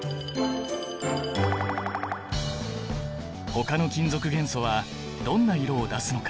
ほかの金属元素はどんな色を出すのか？